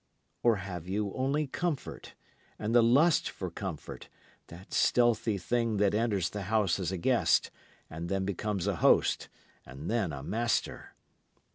Or have you only comfort, and the lust for comfort, that stealthy thing that enters the house a guest, and then becomes a host, and then a master?